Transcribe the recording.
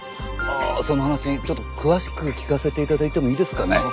その話ちょっと詳しく聞かせて頂いてもいいですかね？